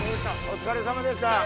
お疲れさまでした。